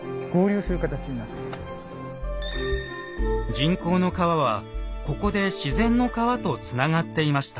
人工の川はここで自然の川とつながっていました。